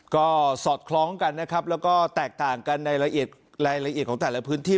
ก็สอดคล้องกันนะครับแล้วก็แตกต่างกันในรายละเอียดของแต่ละพื้นที่